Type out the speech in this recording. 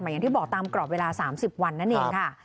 อย่างที่บอกตามกรอบเวลา๓๐วันนั่นเองค่ะ